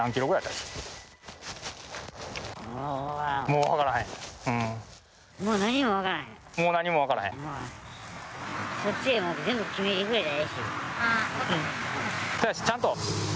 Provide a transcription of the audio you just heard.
もう何も分からへん？